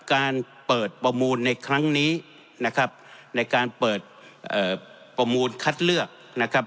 การเปิดประมูลในครั้งนี้นะครับในการเปิดประมูลคัดเลือกนะครับ